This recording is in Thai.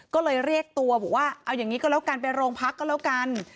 ก็เลยเรียกตัวบอกว่าเอาอย่างนี้ก็แล้วกันไปโรงพักก็แล้วกัน